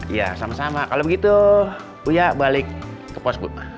iya sama sama kalau begitu bu ya balik ke pos bu